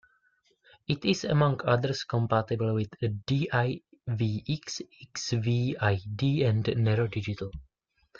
It is, among others, compatible with DivX, Xvid and Nero Digital.